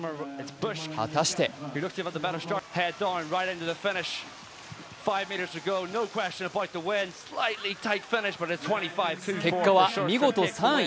果たして結果は見事３位。